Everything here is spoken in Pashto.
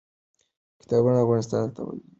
کتابونه افغانستان ته ولېږل شول.